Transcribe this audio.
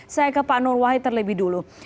saya ke pak nur wahid terlebih dulu